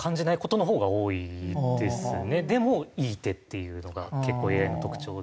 でもいい手っていうのが結構ＡＩの特徴で。